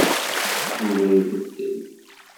Yuba ibeddel.